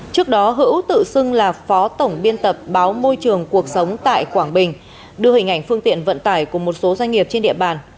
trước đó hữu tự xưng là phó tổng biên tập báo môi trường cuộc sống tại quảng bình đưa hình ảnh phương tiện vận tải của một số doanh nghiệp trên địa bàn